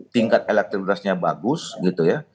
tingkat elektribitasnya bagus gitu ya